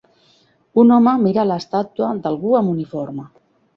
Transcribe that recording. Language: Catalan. Un home mira l'estàtua d'algú amb uniforme.